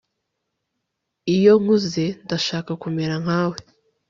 Iyo nkuze ndashaka kumera nkawe